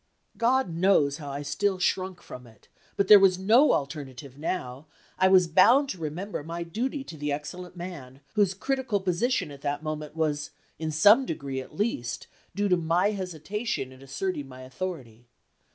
God knows how I still shrunk from it! But there was no alternative now; I was bound to remember my duty to the excellent man, whose critical position at that moment was, in some degree at least, due to my hesitation in asserting my authority.